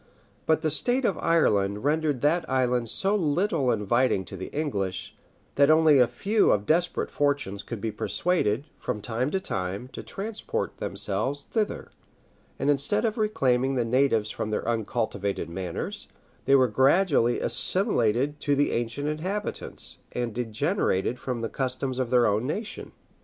But the state of Ireland rendered that island so little inviting to the English, that only a few of desperate fortunes could be persuaded, from time to time, to transport themselves thither; and instead of reclaiming the natives from their uncultivated manners, they were gradually assimilated to the ancient inhabitants, and degenerated from the customs of their own nation.